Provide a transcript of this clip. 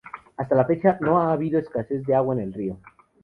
Hasta la fecha, no ha habido escasez de agua en el río.